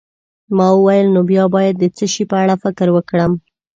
ما وویل: نو بیا باید د څه شي په اړه فکر وکړم؟